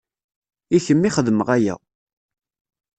I kemm i xedmeɣ aya.